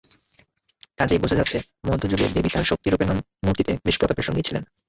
কাজেই বোঝা যাচ্ছে, মধ্যযুগে দেবী তাঁর শক্তিরূপেণ মূর্তিতে বেশ প্রতাপের সঙ্গেই ছিলেন।